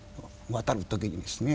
渡る時にですね